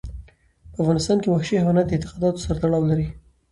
په افغانستان کې وحشي حیوانات د اعتقاداتو سره تړاو لري.